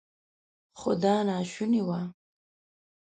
خو دا ناشونې وه.